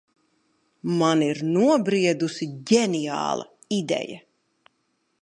Man ir nobriedusi ģeniāla ideja.